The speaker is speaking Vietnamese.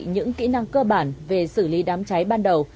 những kỹ năng cơ bản về xử lý đám cháy ban đầu